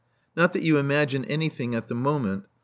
Not that you imagine anything at the moment.